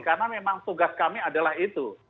karena memang tugas kami adalah itu